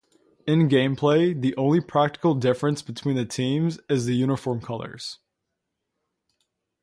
In gameplay, the only practical difference between the teams is the uniform colors.